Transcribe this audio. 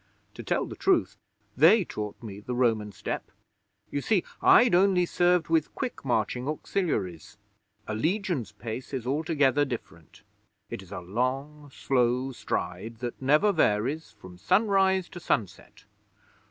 To tell the truth, they taught me the Roman Step. You see, I'd only served with quick marching Auxiliaries. A Legion's pace is altogether different. It is a long, slow stride, that never varies from sunrise to sunset.